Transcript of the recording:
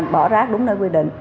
bỏ rác đúng nơi quy định